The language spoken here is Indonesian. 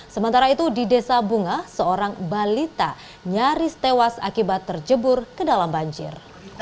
sementara itu di desa bunga seorang balita nyaris tewas akibat terjebur ke dalam banjir